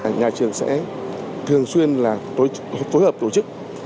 nhà trường sẽ thường xuyên là phối hợp tổ chức